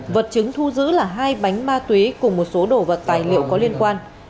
vật chứng thu giữ là hai bánh ma túy cùng một số đồ vật tài liệu có liên quan